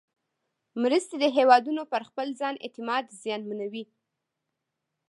مرستې د هېوادونو پر خپل ځان اعتماد زیانمنوي.